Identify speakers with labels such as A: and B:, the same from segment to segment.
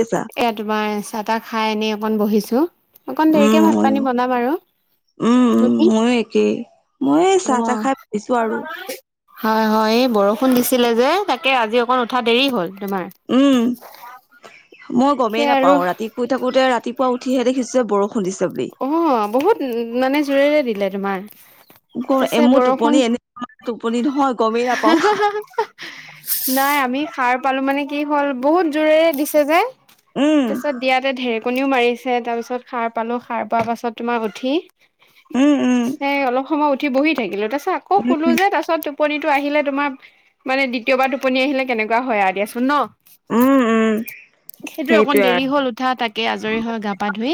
A: আছা
B: এয়া, তোমাৰ চাহ-তাহ খাই এনেই অকণ বহিছোঁ। অকণ দেৰিকে
A: উম ময়ো
B: ভাত-পানী বনাম আৰু।
A: উম উম
B: তুমি?
A: ময়ো একেই মই চাহ তাহ
B: অ'।
A: খাই বহিছো আৰু
B: হয় হয়, এই বৰষুণ দিছিলে যে তাকে আজি অকণ উঠা দেৰি হ'ল। তোমাৰ।
A: উম মই গমেই
B: সেয়া আৰু
A: নাপাও ৰাতি শুই থাকোতে ৰাতি ৰাতি উঠিহে দেখিছো বৰ
B: অ বহুত মানে জোৰেৰে দিলে তোমাৰ তাৰপাছত
A: মোৰ
B: বৰষুণ
A: টোপনি এনে টোপনি নহয় গমেই নাপাও
B: হা হা হা হা নাই আমি সাৰ পালো মানে কি হ'ল বহুত জোৰেৰে দিছে যে,
A: উম
B: তাৰপিছত দিয়াতে ধেৰ- টোপনিও মাৰিছে তাৰপিছত সাৰ পালোঁ সাৰ পোৱাৰ পাছত তোমাৰ উঠি
A: উম উম
B: সে অলপ সময় উঠি বহি থাকিলো তাৰ পিছত আকৌ শুলোঁ
A: উম
B: যে তাৰ পাছত টোপনিটো আহিলে তোমাৰ মানে দ্বিতীয়বাৰ টোপনি আহিলে কেনেকুৱা হয় আৰু দিয়াচোন ন-'
A: উম উম
B: সেইটোৱে অকণ
A: সেইটোয়ে
B: দেৰি
A: আৰু
B: হল উঠা তাকে আজৰি হৈ গা পা ধুই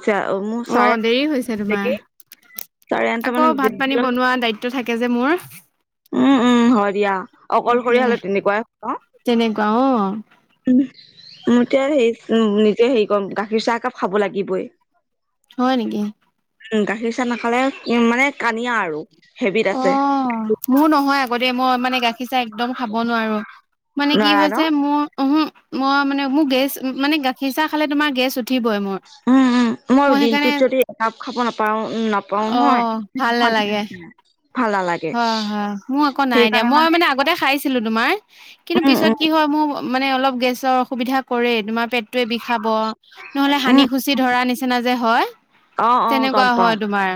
A: আৰু মোৰ
B: অ
A: চাৰে
B: দেৰি হৈছে তোমাৰ
A: লেকে
B: আকৌ ভাত পানী বনোৱা দায়িত্ব থাকে যে মোৰ
A: উম উম হয় দিয়া অকলশৰীয়া হলে তেনেকুৱাই
B: তেনেকুৱা অ
A: উম মোকে হেই উম মোকে হেই কইম গাখীৰ চাহ একাপ খাব লাগিবই
B: হয় নিকি
A: উম গাখীৰ চাহ নাখালে উম মানে কানিয়া আৰু হেবিত
B: অ
A: আছে
B: মোৰ নহয় আগতে মই মানে গাখীৰ চাহ একদম খাব নোৱাৰো মানে কি
A: নোৱাৰা ন
B: হৈছে মোৰ উ মই মানে মোৰ গেছ মানে গাখীৰ চাহ খালে তোমাৰ গেছ উঠিবই মোৰ
A: উম উম মই দিনটোত যদি একাপ খাব নাপাওঁ নাপাও
B: অ
A: নহয়
B: ভাল নালাগে
A: ভাল নালাগে
B: হয় হয় মোৰ আকৌ নাই দিয়া মই মানে আগতে খাইছিলো তোমাৰ কিন্তু
A: উম
B: পিছত
A: উম
B: কি হয় মোৰ মানে অলপ গেছ অসুবিধা কৰেই তোমাৰ পেটয়ে বিষাব নহলে
A: উম
B: সানি খুচি ধৰা নিচিনা যে হয়
A: অ অ গম
B: তেনেকুৱা
A: পাও
B: হয় তোমাৰ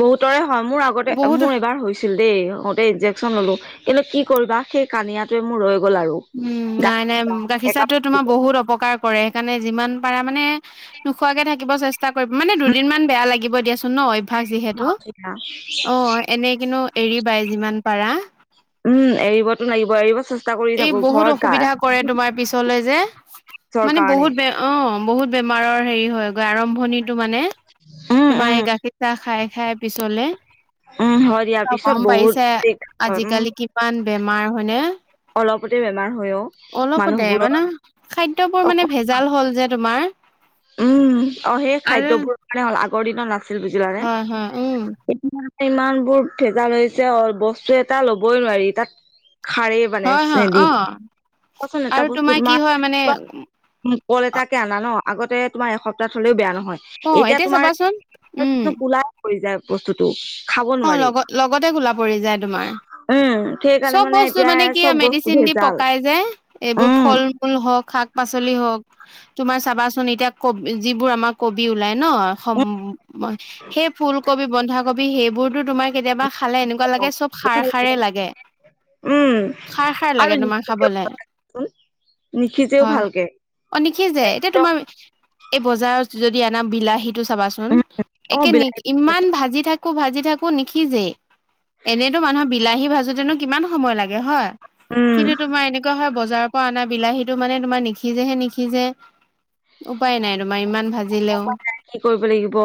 A: বহুতৰে হয় মোৰ আগতে
B: বহুত
A: মোৰ এবাৰ হৈছিল দেই হতে ইন্জেকচন ললো কিন্তু কি কৰিবা সেই কানিয়াটোৱে মোৰ ৰৈ গ'ল আৰু
B: উম নাই নাই গাখীৰ
A: একাপ
B: চাহটোৱে তোমাৰ বহুত অপকাৰ কৰে সেইকাৰণে যিমান পাৰা মানে নোখোৱাকে থাকিব চেষ্টা কৰিব মানে দুদিনমান বেয়া লাগিব দিয়াচোন ন অভ্যস যিহেতু অ এনে কিনো এৰিবাই যিমান পাৰা
A: উম এৰিবতো লাগি
B: এই বহুত অসুবিধা কৰে তোমাৰ পিছলে যে
A: পিছৰ
B: মানে
A: কাৰণে
B: বহুত বে অ বহুত বেমাৰৰ হেৰি হয় গৈ আৰম্ভণিটো মানে
A: উম
B: তোমাৰ
A: উম
B: এই গাখীৰ চাহ খাই খাই পিছলে
A: উম হয় দিয়া
B: অ
A: পিছত
B: গম
A: বহুত
B: পাইছা
A: দিগদাৰ হয় উম
B: আজিকালি কিমান বেমাৰ হয়নে
A: অলপতে বেমাৰ হয় অ
B: অলপতে
A: মানুহবোৰৰ
B: মানে খাদ্যবোৰ মানে
A: অকল
B: ভেজাল হ'ল যে তোমাৰ
A: উম অ সেই
B: আৰু
A: খাদ্যবোৰ মানে আগৰ দিনত নাছিল বুজিলা নে
B: হয় হয় উম
A: এ ইমান বোৰ ভেজাল হৈছে অ বস্তু এটা ল'বই নোৱাৰি তাত খাৰেই মানে
B: হয় হয়
A: চেদি
B: অ
A: কচোন এটা
B: আৰু
A: বস্তু
B: তোমাৰ কি হয় মানে
A: তোমাৰ কল এটাকে আনা ন আগতে তোমাৰ এসপ্তাহ থলেও বেয়া নহয় হয়
B: অ
A: এতিয়া তোমাৰ
B: চাবাচোন উম
A: কোলাই পৰি যায় বস্তুটো খাব
B: অ
A: নোৱাৰি
B: লগত লগতে কোলা পৰি যায় তোমাৰ
A: উম সেইকাৰণে
B: চব বস্তু
A: এতিয়া
B: মানে কি
A: চব বস্তু
B: মেডিচিন দি
A: ভেজাল
B: পকাই যে এইবোৰ
A: উম
B: ফল মূল হওঁক শাক পাচলি হওক তোমাৰ চাবাচোন এতিয়া কবি যিবোৰ আমাৰ কবি ওলাই ন সমম ম সেই ফুলকবি বন্ধাকবি সেইবোৰতো তোমাৰ কেতিয়াবা খালে এনেকুৱা লাগে চব সাৰ খাৰেই লাগে
A: উম
B: খাৰ খাৰ
A: আৰু
B: লাগে তোমাৰ
A: নিসিজেও
B: খাবলে
A: ভালকে নিসিজেও
B: হয়
A: ভালকে।
B: অ নিশি যে এতিয়া
A: একদম
B: তোমাৰ এই বজাৰ যদি দি আনা বিলাহীটো চাবাচোন
A: উম, অ
B: একে নি
A: বিলাহী
B: ইমান ভাজি থাকো ভাজি থাকো একো নিখিজেই এনেইতো মানুহৰ বিলাহী ভাজোতেনো কিমান সময় লাগে হয়
A: উম
B: কিন্তু তোমাৰ এনেকুৱা হয় বজাৰৰ পৰা অনা বিলাহীতো মানে তোমাৰ নিসিজেহে নিসিজে উপায় নাই তোমাৰ ইমান ভাজিলেও
A: অ কি কৰিব লাগিব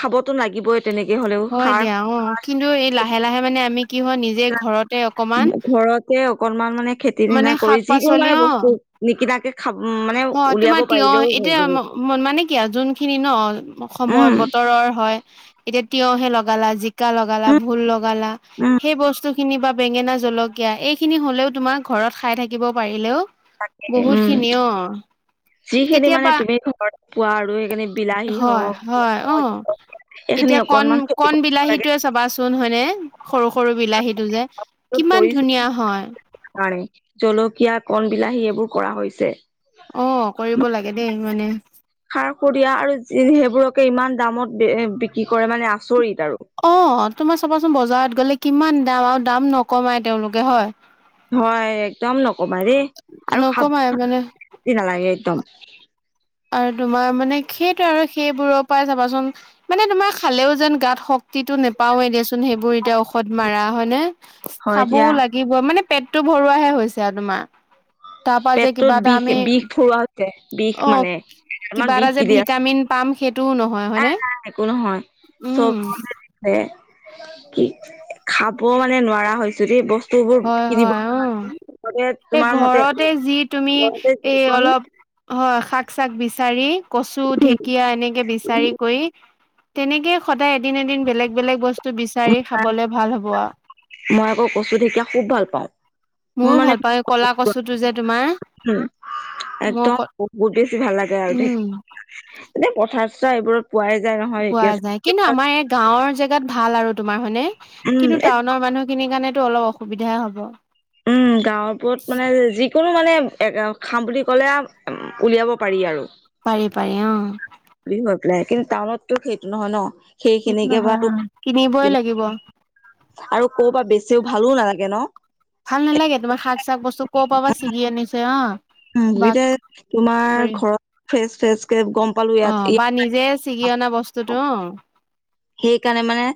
A: খাবতো লাগিবই তেনেকে হলেও
B: হয় দিয়া
A: খাৰ
B: অ কিন্তু এই লাহে লাহে মানে আমি কি হয় নিজে ঘৰতে অকমান
A: ঘৰতে অকনমান মানে খেতি
B: মানে
A: নিচিনা কৰি
B: শাক
A: যিকোনো
B: পাচলি
A: মানে
B: অ
A: বস্তু নিকিনাকে খাব মানে
B: অ
A: উলিয়াব
B: তোমাৰ তিয়হ
A: পাৰিলেও হৈ
B: এতিয়া
A: বহুত
B: মানে কিয়া যোনখিনি ন সময়
A: উম
B: বতৰৰ হয় এতিয়া তিয়হে লগালা জিকা লগালা
A: উম
B: ভোল লগালা
A: উম
B: সেই বস্তু খিনি বা বেঙেনা জলকীয়া এই খিনি হলেওঁ তোমাৰ ঘৰত খাই থাকিব পাৰিলেও বহুত
A: উম
B: খিনি অ,
A: যিখিনি মানে
B: কেতিয়াবা
A: তুমি ঘৰত পোৱা আৰু সেইখিনি বিলাহী
B: হয় হয় অ
A: হওক এইখিনি
B: এতিয়া কণ
A: অকনমান খেতি
B: কণ
A: কৰিব
B: বিলাহীত
A: লাগে
B: সেইটোৱে চাবাচোন হয়নে সৰু-সৰু বিলাহীটো যে
A: এইবোৰ
B: কিমান
A: কৰিছো
B: ধুনীয়া হয়।
A: কাৰণে জলকীয়া, কণ বিলাহী এইবোৰ কৰা হৈছে।
B: অ কৰিব লাগে দেই মানে
A: খাৰ সৰীয়া আৰু সেইবোৰক ইমান দামত বিক্ৰী কৰে মানে আচৰিত। আৰু
B: অ' তোমাৰ চাবাচোন বজাৰত গ'লে কিমান দাম আৰু দাম নকমাই তেওঁলোকে হয়।
A: হয় একদম নকমাই দেই আৰু খাব
B: নকমাই মানে
A: টেষ্টি নালাগে একদম।
B: আৰু তোমাৰ মানে সেইটো আৰু সেইবোৰৰ পৰা চাবাচোন মানে তোমাৰ খালেও যেন গাত শক্তিটো নাপায় পাওঁ দিয়াচোন সেইবোৰ এতিয়া ঔষধ মাৰা হয় নে?
A: হয় এতিয়া
B: খাবও লাগিব মানে পেটটো ভৰোৱাাহে হৈছে আৰু তোমাৰ। তাৰ পৰা যে কিবা
A: পেটটোত
B: এটা
A: বিষ
B: আমি
A: বিষ ভৰোৱা হৈছে বিষ
B: অ
A: মানে
B: কিবা
A: আমান
B: এটা
A: বিষ
B: যে
A: [inaudible]
B: ভিটামিন
A: আছে।
B: পাম সেইটোও নহয়
A: নাই
B: হয়নে
A: নাই একো নহয়
B: উম
A: চবতে কি খাব মানে নোৱাৰা হৈছো দেই বস্তু বোৰ
B: হয়
A: কিনিব
B: হয় উম
A: নালাগে
B: এই
A: তোমাৰ মতে
B: ঘৰতে
A: [inaudible]
B: অ শাক চাক বিচাৰি কচু ধেকিয়া এনেকে বিচাৰি কৰি তেনেকে সদায় এদিন এদিন বেলেগ বেলেগ বস্তু বিচাৰি খাবলে ভাল হ'ব আৰু।
A: মই আকৌ কচু ঢেকীয়া খুব ভাল পাওঁ। মোৰ
B: ময়ো
A: মানে
B: ভাল পাওঁ কলা কচুটো যে তোমাৰ,
A: উম
B: মই
A: একদম
B: ক
A: বহুত বেছি ভাল লাগে আৰু এ
B: উম
A: দেহ, পথাৰ চথাৰ এইবোৰত পোৱাই যায় নহয়
B: পোৱা
A: ঢেকীয়া
B: যায় কিন্তু আমাৰ এই গাঁৱৰ জেগাত ভাল আৰু তোমাৰ হয়নে?
A: উম এই
B: কিন্তু টাউনৰ মানুহখিনিৰ কাৰণেতো অলপ অসুবিধাই হ'ব।
A: উম গাঁৱবোৰত মানে যিকোনো মানে খাম বুলি ক'লে উলিয়াব পাৰি আৰু।
B: পাৰি পাৰি অ,
A: বুলি হৈ পেলাই কিন্তু টাউনতো সেইটো নহয় ন।
B: সেইটো
A: সেইখিনিকে
B: নহয়
A: বাৰু
B: অ কিনিবই লাগিব
A: আৰু কৰ পা বেছি ভালো নালাগে ন?
B: ভাল নালাগে তোমাৰ শাক চাক বস্তু ক'ৰ পৰা বা ছিগি আনিছে অ।
A: উ
B: বা
A: [unintelligible] তোমাৰ
B: ধৰি
A: ঘৰত ফ্ৰেচ ফ্ৰেচ গম পালো
B: অ
A: ইয়াত
B: বা নিজে ছিগি অনা বস্তুটো
A: [inaudible]
B: অ
A: সেইকাৰণে মানে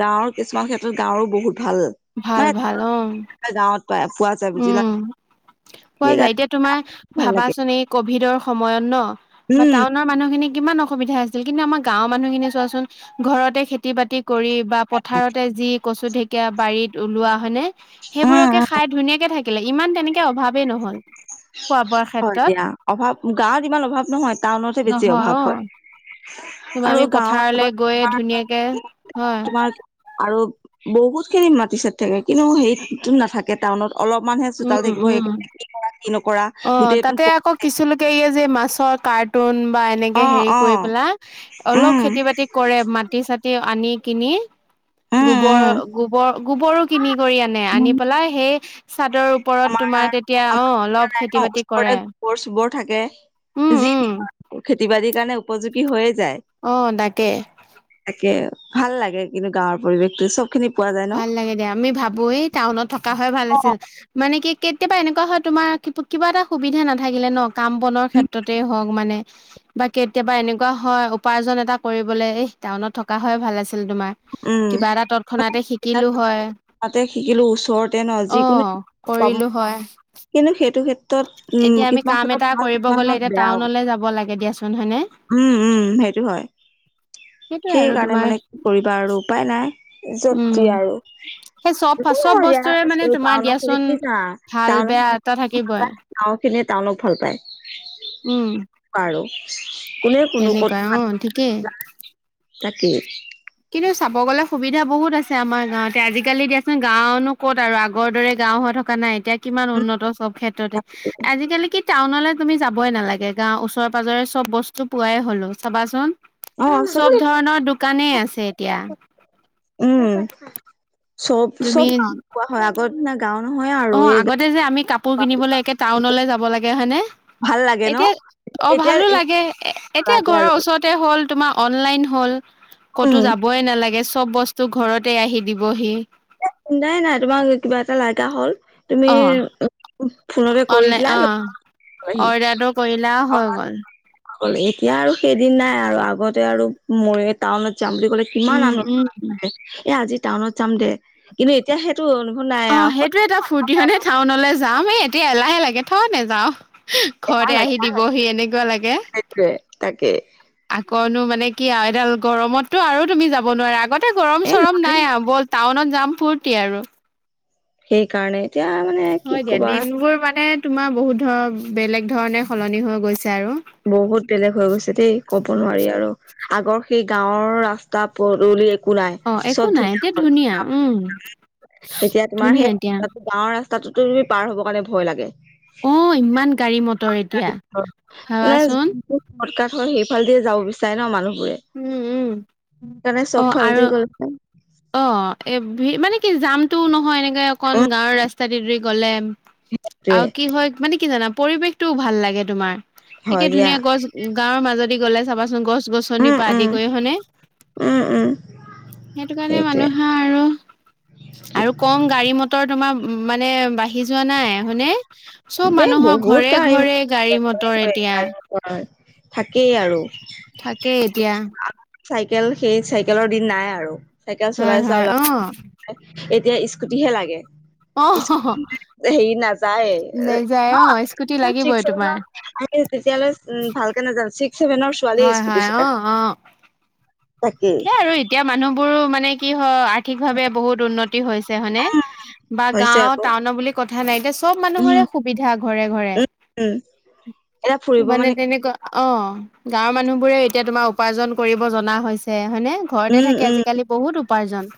A: গাঁৱৰ কিছুমান ক্ষেত্ৰত গাঁৱৰো বহুত ভাল
B: ভাল ভাল অ
A: মানে গাঁৱত পায় পোৱা যায় বুজিলা
B: উম পোৱা যায়
A: সেইকাৰণে
B: এতিয়া তোমাৰ
A: ভাল লাগে
B: ভাবাচোন এই কভিডৰ সময়ত ন
A: উম
B: বা
A: উম
B: টাউনৰ মানুহখিনিক কিমান অসুবিধা আছিল কিন্তু আমাৰ গাঁওৰ মানুহখিনি চোৱাচোন ঘৰতে খেতি বাতি কৰি বা পথাৰতে যি কচু ঢেঁকীয়া বাৰীত ওলোৱা হয়নে সেইবোৰকে
A: উম
B: খাই ধুনীয়াকে থাকিলে ইমান তেনেকে অভাৱেই নহ'ল। খোৱা বোৱাৰ
A: হয়
B: ক্ষেত্ৰত
A: দিয়া অভাৱ গাঁৱত ইমান অভাৱ নহয়। টাউনতে বেছি
B: নহয়
A: অভাৱ
B: অ
A: হয়।
B: তোমাৰ
A: আৰু
B: আমি
A: গাঁৱত [inaudible]
B: পথাৰলৈ গৈয়ে
A: ক'ৰবাত
B: ধুনীয়াকে হয়
A: তোমাৰ আৰু বহুত খিনি মাটি-চাটি থাকে কিন্তু হেৰিত নাথাকে টাউনত অলপমানহে চোতাল
B: উম
A: থাকিব
B: উম
A: সেই [inaudible]
B: অ তাতে আকৌ কিছুলোকে ইয়া যে মাছৰ কাঠ কাঠুন বা এনেকে
A: অ
B: হেৰি
A: অ
B: কৰি পেলাই অলপ
A: উম
B: খেতি বাতি কৰে মাটি চাহটি আনি কিনি
A: উম
B: গোবৰ
A: উম
B: গোবৰ গোবৰো কিনি কৰি আনি আনি
A: উম
B: পেলাই সেই চাদৰ ওপৰত
A: আমাৰ
B: তোমাৰ তেতিয়া অ অলপ খেতি
A: আমাৰ [inaudible]
B: বাতি
A: ওচৰতে
B: কৰে
A: গোবৰ চোবৰ থাকে।
B: উম
A: যি
B: উম
A: দি খেতি বাতিৰ কাৰণে উপযুক্ত
B: আহ তাকে।
A: তাকে ভাল লাগে কিন্তু গাঁৱৰ পৰিৱেশটো চব খিনি পোৱা যায় ন
B: ভাল লাগে দিয়া আমি ভাবোৱেই টাউনত থকা হয় ভাল
A: অ
B: আছিল। মানে কি কেতিয়াবা এনেকুৱা হয় তোমাৰ কিবা এটা সুবিধা নাথাকিলে ন কাম বনৰ
A: উম
B: ক্ষেত্ৰতেই হওক মানে বা কেতিয়াবা এনেকুৱা হয় উপাৰ্জন এটা কৰিবলে এ টাউনত থকা হয় ভাল আছে তোমাৰ
A: উম
B: কিবা এটা তৎক্ষণাতে শিকিলো হয়
A: তাতে শিকিলো ওচৰতে ন
B: অ
A: যিকোনো পাম
B: কৰিলো হয়
A: কিন্তু সেইটো ক্ষেত্ৰত উম
B: এতিয়া আমি
A: কিছুমান
B: কাম এটা
A: ক্ষেত্ৰত ভাল
B: কৰিব
A: কিছুমান
B: গ'লে এতিয়া
A: কত বেয়াও
B: টাউনলৈ যাব লাগে দিয়াচোন হয়নে
A: উম উম সেইটো হয়
B: সেইটোয়ে
A: সেই
B: আৰু
A: কাৰণে
B: তোমাৰ
A: মানে কি কৰিবা আৰু উপায় নাই যতদি
B: উম
A: আৰু
B: সেই চব চব বস্তুৰে মানে
A: [unintelligible]
B: তোমাৰ
A: টাউনত
B: দিয়াচোন ভাল বেয়া এটা থাকিবই
A: ভাল পায়
B: উম
A: সেনেকুৱা আৰু কোনে কোনো
B: তেনেকুৱাই
A: কথা
B: অ ঠিকেই
A: তাকেই
B: টো চাব গ'লে সুবিধা বহুত আছে আমাৰ গাঁৱতে আজিকালি দিয়াচোন গাওঁ নো ক'ত আৰু আগৰ দৰে গাওঁ হত থকা নাই এতিয়া কিমান উন্নত চব ক্ষেত্ৰতে আজিকালি টাউনলৈ তুমি যাবই নালাগে গাও ওচৰে পাজৰে চব বস্তু পোৱাই হলো চাবাচোন
A: অ',
B: চব
A: চবৰে
B: ধৰণৰ দোকানেই আছে এতিয়া
A: উম, চব
B: তুমি
A: চব গা কোৱা হয় আগত ন
B: অ আগতে যে আমি কাপোৰ কিনিবলৈ একে টাউনলৈ যাব লাগে হয়নে
A: ভাল লাগে ন
B: এতিয়া অ
A: এতিয়া
B: ভালো লাগে এ এতিয়া
A: নালাগে
B: ঘৰৰ
A: আৰু
B: ওচৰতে হ'ল তোমাৰ অনলাইন হ'ল
A: উম,
B: ক'তো যাবই নালাগে চব বস্তু ঘৰতে আহি দিবহি
A: এ চিন্তাই নাই তোমাক কিবা এটা লগা হ'ল তুমি
B: অ
A: ফোনতে কৰি
B: অনলাইন
A: দিলা
B: অ
A: গ'লাহি
B: অৰ্ডাৰটো কৰিলা হৈ গল
A: আ এতিয়া আৰু সেইদিন নাই আৰু আগতে আৰু ম টাউনত যাম বুলি ক'লে কিমান
B: উম উম উম।
A: আনন্দ এ আজি টাউনত যাম দে কিন্তু এতিয়া সে
B: অ সেইটো এটা ফূৰ্তিনে টাউনলৈ যামেই এতিয়া এলাহে লাগে থ নে যাও
A: এলাহ
B: ঘৰতে
A: লাগি
B: আহি
A: যায়
B: দিবহি এনেকুৱা লাগে
A: সেইটোৱে তাকে
B: আকৌ নো মানে কি আৰু এডাল গৰমততো আৰু তুমি যাব নোৱাৰা আগত ততে গৰম
A: এ
B: চৰম
A: নোৱাৰি
B: নাই আৰু ব'ল টাউনত যাম ফূুৰ্তি আৰু
A: সেইকাৰণে এতিয়া মানে কি
B: হয় দিয়া
A: কবা
B: দিন বোৰ মানে তোমাৰ বহুত ধৰ বেলেগ ধৰণে সলনি হৈ গৈছে আৰু
A: বহুত বেলেগ হৈ গৈছে দেই ক'ব নোৱাৰি আৰু আগৰ সেই গাঁৱৰ ৰাস্তা পদুলি কো নাই
B: অ একো
A: চব
B: নাই
A: ধুনীয়া
B: এতিয়া উম
A: হল এতিয়া তোমাৰ
B: ধুনীয়া
A: সেই
B: এতিয়া
A: গাঁৱৰ তাতো তুমি পাৰ হব কাৰণে ভয় লাগে
B: অ ইমান গাড়ী মটৰ এতিয়া
A: নাই
B: ভাবাচোন
A: যোনটো চৰ্টকাট হয় সেইফাল দিয়ে যাব বিচাৰে ন মানুহ
B: উম উম
A: সেইকাৰণে
B: অ
A: চব ফাল
B: আৰু
A: দি গল
B: অ এ মানে কি জাম টোও নহয় এনেকে অকন
A: উ
B: গাঁৱৰ ৰাস্তাতে ধৰি গলে
A: সেইটোৱে
B: আৰু কি হয় মানে কি জানা পৰিৱেশটোও ভাল লাগে তোমাৰ একে
A: হয় দিয়া
B: ধুনীয়া গছ গাঁৱৰ মাজদি গ'লে চাবাচোন গছ গছ গছনিৰ
A: উম
B: পৰা আদি
A: উম
B: কৰি হয়নে
A: উম উম
B: কাৰণে
A: সেইটোৱে
B: মানুহে আৰু
A: কি
B: আৰু কম গাড়ী মটৰ তোমাৰ মানে বা আহি যোৱা নাই হয়নে চব
A: এ
B: মানুহৰ
A: বহুত
B: ঘৰে
A: গাড়ী
B: ঘৰে গাড়ী মত
A: গাড়ী থাকেই আৰু
B: থাকেই এতিয়া
A: চাইকেল সেই চাইকেলৰ দিন নাই আৰু চাইকেল
B: হয়
A: চলাই চোৱা
B: হয়
A: ল'ৰা
B: অ',
A: এতিয়া স্কুটি হে লাগে স্কুট
B: অ',
A: হেৰি না যায়
B: নেযায়
A: ন
B: অ', স্কুটি লাগিবই তোমাৰ।
A: আমি তেতিয়ালৈ উ ভালকে নাযান ছেভেনৰ ছোৱালীয়ে
B: হয়
A: স্কুটি চলাই। তাকেই
B: সেই আৰু এতিয়া মানুহবোৰো মানে কি হয় আৰ্ থিক ভাৱে বহুত উন্নতি হৈছে, হয় নে? বা
A: হৈছে
B: গাওঁ,
A: আকৌ
B: টাউনৰ বুলি কথা নাই। এতিয়া চব মানুহৰে
A: উম
B: সুবিধা ঘৰে ঘৰে
A: উম এতিয়া ফুৰিব
B: মানে তেনেকুৱা, অ গাঁৱৰ মানুহবোৰে এতিয়া তোমাৰ উপাৰ্জন কৰিব জনা হৈছে, হয়নে? ঘৰতে
A: উম
B: থাকে
A: উম
B: আজিকালি বহুত উপ পাৰ্জন।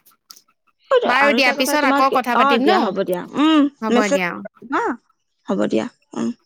A: আৰু এটা কথা তোমাক, অ
B: ন
A: দিয়া হ'ব দিয়া, উম
B: হ'ব দিয়া অ'।
A: মেছেজ অ হ'ব দিয়া, উম।